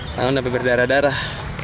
tangan sampai berdarah darah